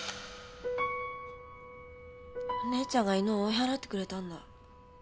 お姉ちゃんが犬を追い払ってくれたんだ。